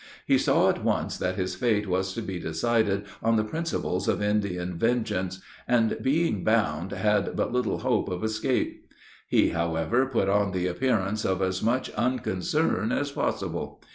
He saw at once that his fate was to be decided on the principles of Indian vengeance, and, being bound, had but little hope of escape. He, however, put on the appearance of as much unconcern as possible.